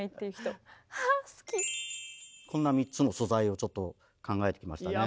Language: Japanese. こんな３つの素材をちょっと考えてきましたね。